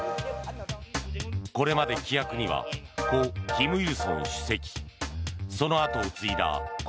これまで、規約には故・金日成主席その跡を継いだ故